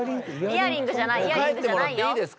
イヤリングじゃないよ。